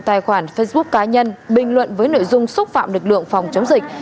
tài khoản facebook cá nhân bình luận với nội dung xúc phạm lực lượng phòng chống dịch